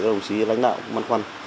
các đồng chí lãnh đạo cũng băn khoăn